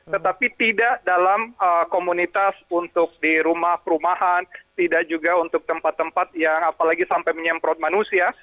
tetapi tidak dalam komunitas untuk di rumah perumahan tidak juga untuk tempat tempat yang apalagi sampai menyemprot manusia